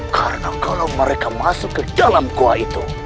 karena kalau mereka masuk ke dalam goa itu